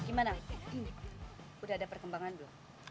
gimana nih udah ada perkembangan belum